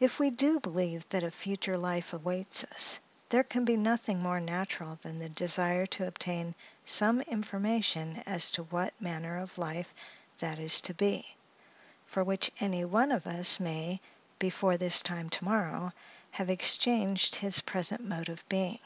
If we do believe that a future life awaits us, there can be nothing more natural than the desire to obtain some information as to what manner of life that is to be for which any one of us may, before this time to morrow, have exchanged his present mode of being.